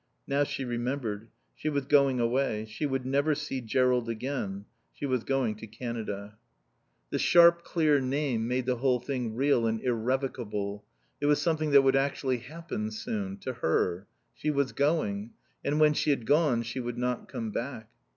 Now she remembered. She was going away. She would never see Jerrold again. She was going to Canada. The sharp, clear name made the whole thing real and irrevocable. It was something that would actually happen soon. To her. She was going. And when she had gone she would not come back.